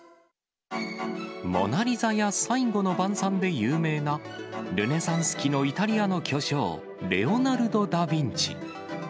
モナリザや最後の晩餐で有名なルネサンス期のイタリアの巨匠、レオナルド・ダ・ヴィンチ。